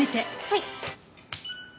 はい。